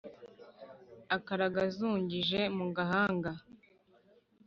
Akaraga azungije mu gahanga;